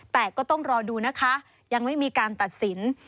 แต่ก็ต้องรอดูนะคะยังไม่มีการตัดสิน